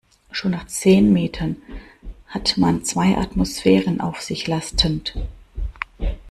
Schon nach zehn Metern hat man zwei Atmosphären auf sich lastend.